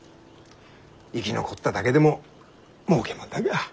生き残っただけでももうけもんだが。